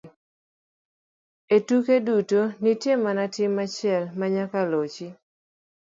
E tuke duto, nitie mana tim achiel ma nyaka lochi